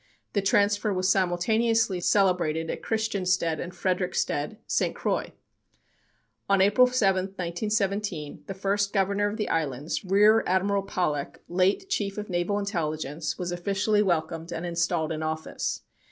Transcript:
The transfer was simultaneously celebrated at Christiansted and Frederiksted, St. Croix. On April 7, 1917, the first governor of the islands, Rear Admiral Pollock, late Chief of Naval Intelligence, was officially welcomed and installed in office.